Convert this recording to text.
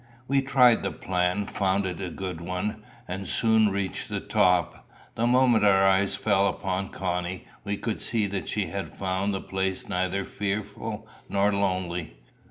We tried the plan, found it a good one, and soon reached the top. The moment our eyes fell upon Connie, we could see that she had found the place neither fearful nor lonely.